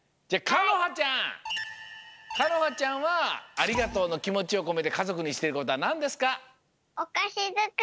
かのはちゃんはありがとうのきもちをこめてかぞくにしていることはなんですか？